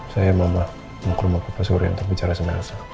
saya mama mau ke rumah papa soeryo untuk bicara sama nasa